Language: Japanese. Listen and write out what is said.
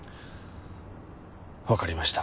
わかりました。